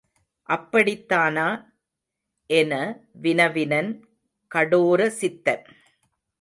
அப்படித்தானா? என வினவினன் கடோர சித்தன்.